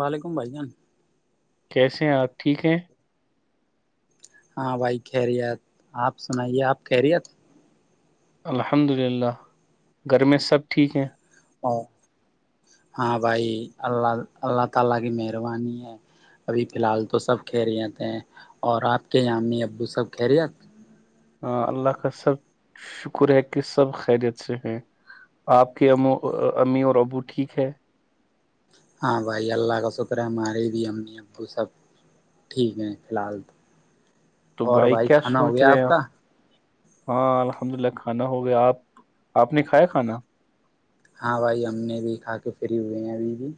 وعلیکم بھائی جان کیسے ہیں آپ ٹھیک ہیں؟ ہاں بھائی خیریت آپ سنائیے آپ خیریت الحمد للہ گھر میں سب ٹھیک ہیں ہاں بھائی اللہ اللہ تعالی کی مہربانی ہے ابھی بلال تو سب خیریت ہیں اور اپ کے امی ابو سب خیریت ہ اللہ کا سب شکر ہے کہ سب خیریت سے ہیں آپ کے ا امی اور ابو ٹھیک ہے ہاں بھائی اللہ کا شکر ہے ہمارے بھی امی ابو سب ٹھیک ہیں فی الحال تو تو اور بھائی کیا کھانا ہو سوچ گیا رہے ہیں آپ کا ہاں الحمد للہ کھانا ہو گیا آپ آپ نے کھایا کھانا ہاں بھائی ہم نے بھی کھا کے فری ہوئے ہیں ابھی بھی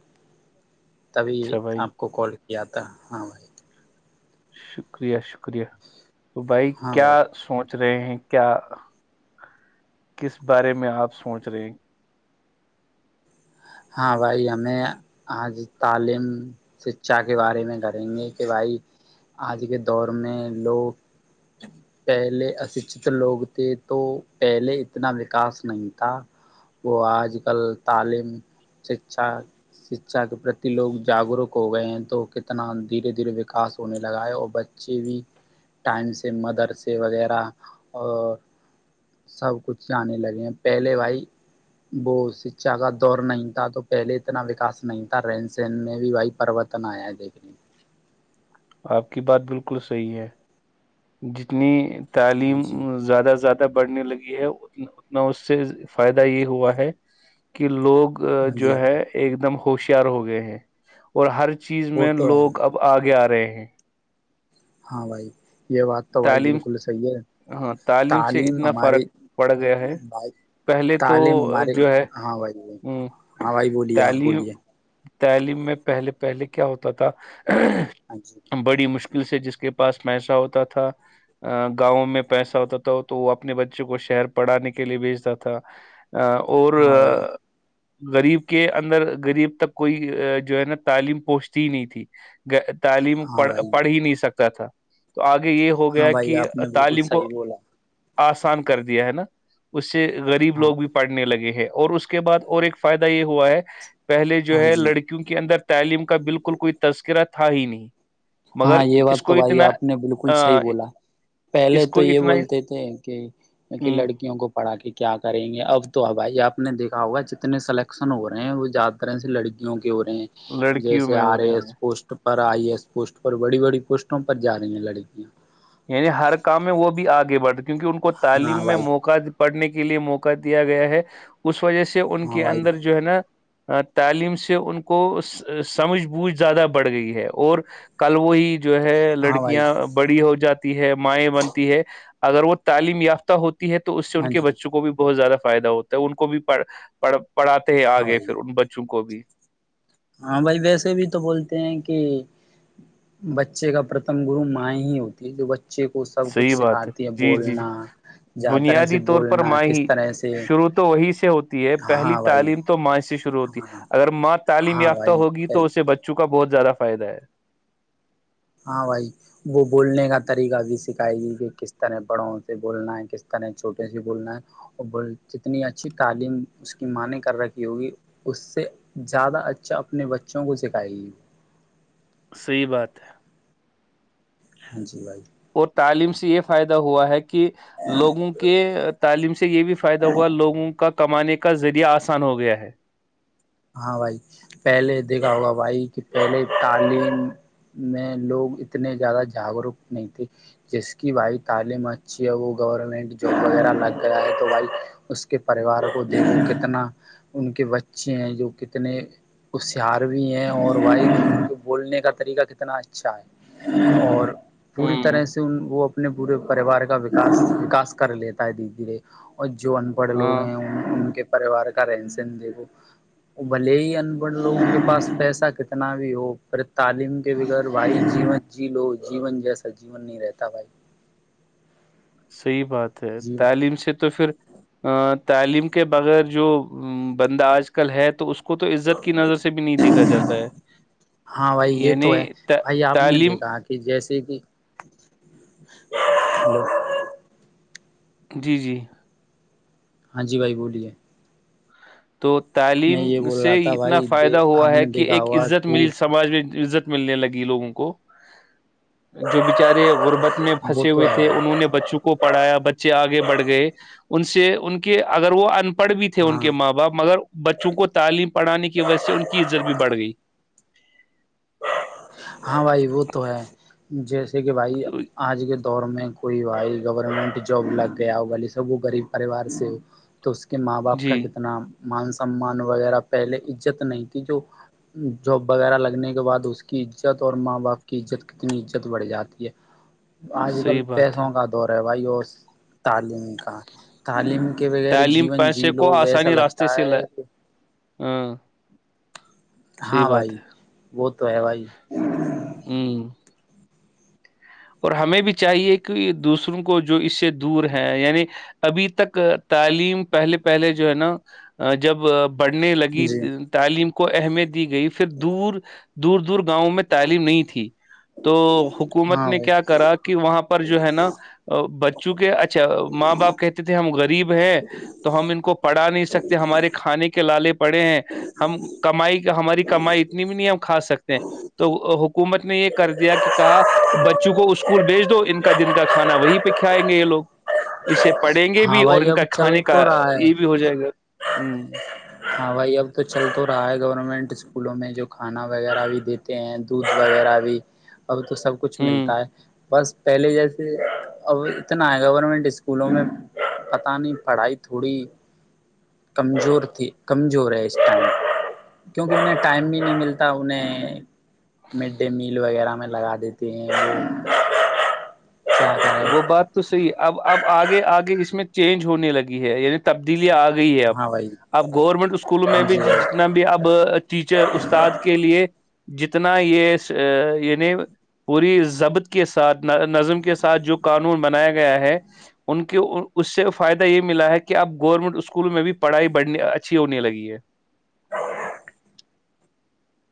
تبھی اچھا بھائی آپ کو کال یہتاا ہاں بھائی شکریہ شکریہ تو بھائی کیا سوچ سوچ رہے ہیں کیا کس بارے میں آپ سوچ رہے ہیں ہاں بھائی ہمیں آج تعلیم شکھا کے بارے میں کریں گے کہ بھائی آج کے دور میں لوگ پہلے اشکھت لوگ تھے تو پہلے اتنا وکاس نہیں تھا وہ آج کل تعلیم شکھا شکچھا کے پرتی لوگ جاگروک ہو گئے ہیں تو کتنا دھیرے دھیرے وکاس ہونے لگا ہے اور بچے بھی ٹائم سے مدرسے وغیرہ اور سب کچھ آنے لگے ہیں پہلے بھائی وہ شکچھا کا دور نہیں تو پہلے اتنا وکاس نہیں تھا رہن سہن میں بھی بھائی پرورتن آیا ہے دیکھنے آپ کی بات بالکل صحیح ہے جتنی تعلیم ہاں جی زیادہ سے زیادہ بڑھنے لگی ہے اتنا اس سے فائدہ یہ ہوا ہے کہ لوگ ہاں جو جی ہے ایک دم ہوشیار ہو گئے ہیں اور ہر چیز وہ میں تو ہے لوگ اب آگے آ رہے ہیں [inaudible] ہاں بھائی یہ بات تو بھائی تعلیم بالکل صحیح ہے ہاں سے تعلیم اتنا ہمارے فرق پڑ گیا ہے بھائی پہلے تو تعلیم آ، ہمارے جو ہے ہاں بھائی ہ ہاں بھائی بولیے آپ تعلیم بولیے تعلیم میں پہلے پہلے کیا ہوتا تھا ہاں جی بڑی مشکل دل سے جس کے پاس پیسا ہوتا تھا تھا گاؤں میں پیسہ ہوتا تھا تو وہ اپنے بچوں کو شہر پڑھانے کے لیے بھیچتا تھا اور ہاں بھائی غریب کے اندر غریب تک کوئی جو ہے نا تعلیم پہنچتی ہی نہیں تھی تعلیم ہاں پڑ بھائی پڑھ ہی نہیں سکتا تھا تو آگے یہ ہو ہاں گیا بھائی کہ آپ نے بالکل تعلیم کو صحیح بولا آسان کر دیا ہے نا اس سے غریب ہاں لوگ بھی پڑھنے لگے ہیں اور اس کے بعد اور ایک فائدہ یہ ہوا ہے کہ پہلے جو ہاں ہے جی لڑکیوں کے اندر تعلیم کا بالکل کوئی تذکرہ ت ہی نہیں مگر ہاں یہ اس بات کو تو بھائی اتنا آپ نے بالکل صحی آ، بولا پہلے اس تو کو یہ اتنا ہی- بولتے تھے کہ ہوں، لڑکیوں کو پڑھا کے کیا کریں گے اب تو بھائی آپ نے دیکھا ہوگا جتنے سلیکشن ہو رہے ہیں وہ زیادہ ترح سے لڑکیوں کے ہو رہے ہیں لڑکیوں جیسے میں ہو آرے رہے ہیں اس پوشٹ پر آئی ایس پوسٹ پر بڑی بڑی پوسٹوں پر جا رہی ہیں لڑکیاں یعنی ہر کام میں وہ بھی آگے بڑھتے کیونکہ ان کو ہاں تعلیم میں بھائی موقع پڑھنے کے لیے موقع دیا گیا ہے اس وجہ سے ان ہاں کے بھائی اندر جو ہے نا تعلیم سے ان کو سمجھ بوجھ زیادہ بڑھ گئی ہے اور کل وہی جو ہے ہاں بھائی لڑکیاں بڑی ہو جاتی ہے مائیں بنتی ہے اگر وہ تعلیم یافتہ ہوتا ہے تو اس سے ان ہاں کے جی بچوں کو بھی بہت زیادہ فائدہ ہوتا ہے ان کو بھی پڑ پڑ پڑاتے ہیں ہاں آگے بھائی پھر ان بچوں کو کوب ہاں بھائی ویسے بھی تو بولتے ہیں کہ بچے کا پرتم گرو مائ ہی ہوتی جو ب صحیح بات ہے جی جی جی زیادہ طرح سے بنیادی طور پر بولنا ماں کس ہی طرح سے شروع تو وہی سے ہوتی ہے پہلی ہاں بھائی تعلیم تو ماہ سے شروع ہوتی ہے ہاں اگر ماں ت م ہاں یافتہ بھائی ہوگی تو اسے بچوں کو کا بہت زیادہ فائدہ ہے ہاں بھائی وہ بولنے کا طریقہ بھی سکھائے گی کہ کس طرح بڑوں سے بولنا ہے کس طرح چھوٹوں سے بولنا ہے اور بول جتنی اچھی تعلیم اس کی معنی کر رکھی ہوگی اس سے زیادہ اچھا اپنے بچوں کو سکھائے گی صحی بات ہے ہاں جی بھائی اور تعلیم سے یہ فائدہ ہوا ہے کہ کہ لوگوں کے تعلیم سے یہ بھی فائدہ ہوا لوگوں کا کمانے کا ذریعہ آسان ہو گیا ہے ہاں بھائی پہلے دیکھا ہوگا بھائی کہ پہلے تعلیم میں لوگ اتنے زیادہ جاگروک نہیں تھے جس کی بھائی تعلیم اچھی ہے وہ گورنمنٹ جاب وغیرہ لگ گیا ہے تو بھائی اس کے پریوار کو دیکھو کتنا ان کے بچے ا جو کتنے ہوشاروی ہیں اور و کو بولنے کا طریقہ کتنا اچھا ہے اور پوری ہوں طرح سے ان وہ اپنے پورے پریوار کااس وکاس کر لیتا ہے درے دھیرے اور جو ان پڑھ لوگ ہاں ہیں ان ان کے پریوار کا رہن سن دےھو بھلے ہی ان پڑھ لوگوں کے پاس پیسہ کتنا بھی ہو پھر تعلیم کے بغیر بھائی جیون جی لو جیون جیسا جیون نہیں رہتا بھائی صحیح بات ہے جیون تعلیم سے تو پھر تعلیم کے بغیر جو بندہ آج کل ہے تو اس کو کو تو عزت کی نظر سے بھی نہیں دیکھا جاتا ہے ہاں بھائی یہ یعنی تو بھائی آپ نے تعلیم دیکھا کہ جیسے ٹھیک ہے ہلو جی جی ہاں جی بھائی بولیے تو میں یہ تعلیم بول سے رہا تھا اتنا بھائی فائدہ ہوا آپ ہے نے کہ دیکھا ایک ہوا عزت کہ ملی سماج میں عزت ملنے لگی لوگوں کو جو بچارے غربت میں وہ پھنسے تو ہوئے ہے تھے بھائی انہوں نے بچوں کو پڑھایا بچے آگے بڑھ گئے ان سے ان کے اگر وہ پڑ بھی تھے ان کے ہاں ماں باپ بچوں کو تعلیم پر پڑھانے کی وجہ سے ان کی عزت بھی بڑھ گئی ہاں بھائی وہ تو ہے جیس جس کہ بھائی آاںج کے دور میں کوئی بھائی گورنمنٹ جب لگ گیا ہو ب سب غریب پریوار سے تو اس کے ماں باپ کا جی کتنا مان سمان وغیرہ پہلے عزت نہیں کی جو جاب وغیرہ لگنے بعد اس کی عزت اور ماں باپ کی عت کتنی عزت بڑھ جاتی ہے آج کل صحیح بات ہے پیسوں کا دور ہے وائی تعلیم کا تعلیم کے بغیر تعلیم جیون پیسے جی لو کو ویسا آسانی راستے لگتا سے ہے ل کہ ہاں صحیح ہاں بھائی بات ہے وہ تو ہے بھائی ہ اور ہمیں بھی چاہیے کہ دوسروں کو جو اس سے دور ہے یعنی ابھی تک تعلیم پہلے پہلے جو ہے نا جب بڑھنے لگی جی تعلیم کو اہمیت دی گئی پھر دور دور دور گاؤں میں تعلیم نہیں تھی تو حکومت ہاں نے بھائی کیا کرا کہ وہاں پر جو ہے نا بچ چونکہ اچھا ماں باپ کہتے تھے ہم غریب ہیں تو ہم ان کو پڑا نہیں سکتے ہمارے کھانے کے لالے پڑے ہیں ہم کمائی ہماری کمائی اتنی بھی نہیں ہم کھا سکتے تو حکومت نے یہ کر دیا کہ کہا بچوں کو اسکول بھیج دو ان کا جن کا کھانا وہیں پہ کھائیں گے یہ لوگ اسے پڑیں گے ہاں بھی اور بھائی ان کا اب چل کھانے کا تو رہا ہے یہ بھی ہو جائے گا ہوں ہاں بھائی اب تو چل تو رہا ہے گورنمنٹ اسکولوں میں جو کھانا وغیرہ بھی دیتے ہیں دودھ وغیرہ بھی اب تو سب کچھ ہ ہ ملتا ہے بس پہلے جیسے اب اتنا ہے گورنمنٹ اسکولوں میں پت نہیں پڑھائی تھوڑی کمزور تھی کمزور ہے اس ٹائم کیونکہ انہیں ٹائم بھی نہیں ملتا انہیں مڈ ڈے میل وغیرہ میں لگا دیتے ہیں وہ کیا کریں وہ بات تو اب اب آگے آگے اس میں چینج ہونے لگی ہے یعنی تبدیلیاں آگے گئی ہے اب ہاں بھائی اب گورنمنٹ اسکولوں میں بھی جی جتنا بھی اب ٹیچر استاد کے لیے جتنا یہ یعنی پوری ضبط کے ساتھ نظم کے ساتھ جو قانون بنایا گیا ہے ان کے اس سے فائدہ یہ ملا ہے کہ اب گورنمنٹ اسکولوں میں بھی پڑھائی بڑھنی اچھی ہونے لگی ہے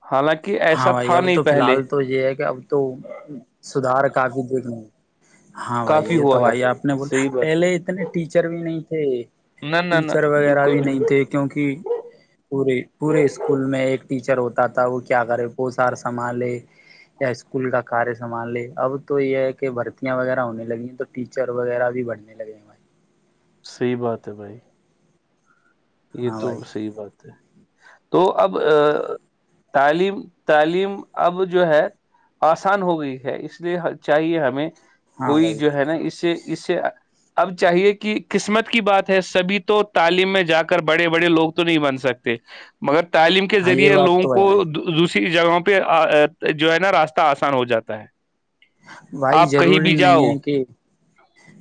حالانکہ ہاں ایسا بھائی تھا اب نہیں تو فی پہلے الحال تو یہ ہے کہ اب تو سدھار کافی دیکھنا ہاں بھائی کافی یہ تو ہوا ہے بھائی آپ نے بلا صحیح بات پہلے اتنے ٹیچر بھی نہیں جی ہے نہ نہ نہ ٹیچر وغیرہ بالکل بھی نہیں تھے کیونکہ پورے پورے اسکول میں ایک ٹیچر ہوتا تھا وہ کیا کرے پوسار سنھال لے یا اسکول کا کاریہ سنبھال لے اب تو یہ ہے کہ بھرتیاں وغیرہ ہونے لگی ہیں تو ٹیچر وغیرہ بھی بڑھنے لگے ہیں بھائی صحیح بات ہے بھائی یہ ہاں تو بھائی صحی بات ہے تو اب تعلیم تعلیم اب جو ہے آسان ہو گئی ہے اس لیے چاہیے ہمیں ہاں کوئی بھائی جو ہے نا اسے اس سے اب چاہیے کہ قسمت کی بات ہے سبھی تو تعلیم میں جا کر بڑے بڑے لوگ تو نہیں بن سکتے مگر تعلیم کے ہاں یہ ذریعے بات لوگوں تو ہے کو بھائی کسی جگہوں پہ جو ہے نا راستہ آسان ہو جاتا ہے بھائی آپ کہیں ضروری بھی نہیں جاؤ ہے کہ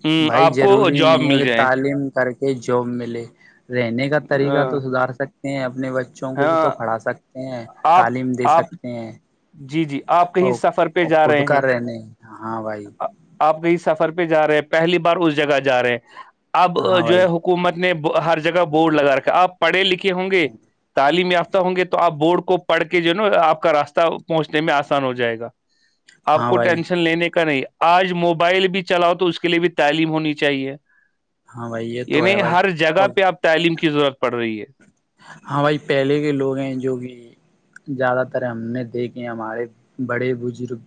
ہوں، بھائی آپ کو ضروری جاب نہیں ہے مل کہ جائے تعلیم کر کے جاب ملے رہنے کا آ، طریقہ تو سدار سکتے ہ اپنے بے بچوں کو بھی تو ہاں پڑھا سکتے ہیں آپ تعلیم دے آپ سکتے ہیں جی جی آپ کہیں اور سفر پہ جا خود رہے کا ہیں رہنے ہاں بھائی آ- آپ کہیں سفر پہ جا رہے ہیں پہلی بار اس جگہ جا رہے ہیں اب ہاں جو ہے بھائی حکومت نے ہر جگہ بورڈ لگا رکھا آپ پڑھے لکھے ہوں گے یافتہ ہوں گے تو آپ بورڈ کو پڑھ کے جو نا آپ کا راستہ پہنچنے میں آسان ہو جائے گا آپ ہاں کو بھائی ٹینشن لینے کا نہیں آج موبائل بھی چلاؤ تو اس کے لیے بھی تعلیم ہونی چاہیے ہاں بھائی یہ تو یعنی ہے بھائی ہر جگہ اور پہ آپ تعلیم کے کی ضرورت پڑ رہی ہے ہاں بھائی پہلے کے لوگ ہیں جو کہ زیادہ تر ہم نے دیکھے ہمارے بڑے بزرگ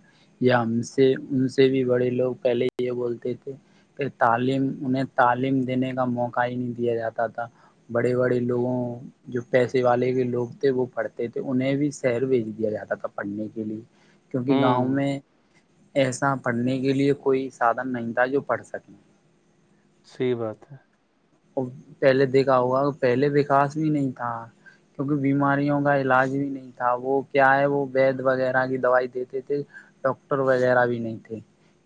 یا ہم سے ان سے بھی بڑے لوگ پہلے یہ بولتے تھے کہ تعلیم انہیں تعلیم دینے کا موقع ہی نہیں دیا جاتا تھا بڑے بڑے لوگوں جو پیسے والے کے لوگ تھے وہ پڑھتے تھے انہیں بھی سیر بھیج دیا جاتا تھا پڑھنے کے لیے کیونکہ گاؤں ہوں میں ایسا پڑھنے کے لیے کوئی سادھن نہیں تھا جو پڑھ سکیں صحی بات ہے پہلے دیکھا ہوا پہلے وکاس بھی نہیں تھا کیونکہ بیماریوں کا علاج بھی نہیں تھا وہ کیا ہے وہ بیڈ وغیرہ کی دوائی دیتے تھے ڈاکٹر وغیرہ بھی نہیں تھے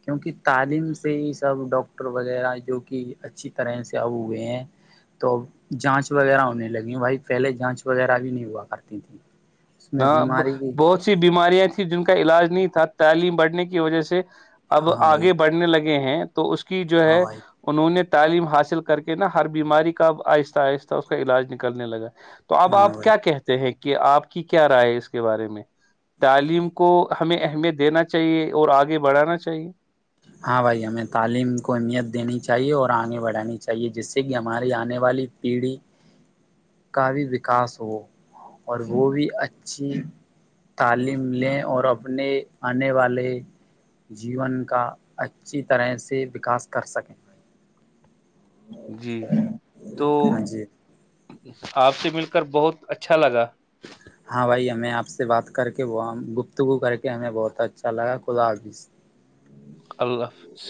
کیونکہ تعلیم سے ہی سب ڈاکٹر وغیرہ جو کہ اچھی طرح سے ا ئے ہیں تو جانچ وغیرہ ہونے لگی بھائی پہلے جانچ وغیرہ بھی نہیں ہوا کرتی تھی اس میں ہاں بیماری کی بہت سی بیماریاں تھیں جن کا علاج نہیں تھا تعلیم بڑھنے کی وجہ سے اب ہاں بھائی آگے بڑھنے لگے ہیں تو اس کی جو ہاں ہے بھائی انہوں نے تعلیم حاصل کر کے نا ہر بیماری کا آہستہ آہستہ اس کا علاج نکلنے لگا تو اب ہاں آپ بھائی کیا کہتے ہیں کہ آپ کہ کیا رائے ہے اس کے بارے میں تعلیم کو ہمیں اہمیت دینا چاہیے اور آگے بڑھانا چاہیے ہاں بھائی ہمیں تعلیم کو اہمیت دینی چاہیے اور آگے بڑھانی چاہیے جس سے کہ ہماری آنے والی پیڑھی کا بھی وکاس ہو اور وہ بھی اچھی تعلیم لیں اور اپنے آنے والے جیون کا اچھی طرح سے وکاس کر سکیں جی تو ہاں جی آپ سے مل کر بہت اچھا لگا ہاں بھائی ہمیں آپ سے بات کر کے وہ گفتگو کر کے ہمیں بہت اچھا لگا خدا حافظ اللہ حافظ